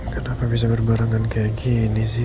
kenapa bisa berbarengan kayak gini sih